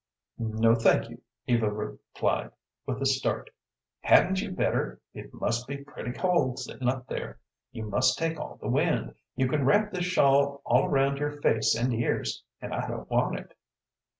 "No, thank you," Eva replied, with a start. "Hadn't you better? It must be pretty cold sitting up there. You must take all the wind. You can wrap this shawl all around your face and ears, and I don't want it."